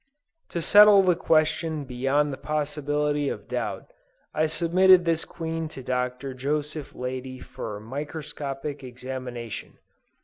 To settle the question beyond the possibility of doubt, I submitted this Queen to Dr. Joseph Leidy for microscopic examination.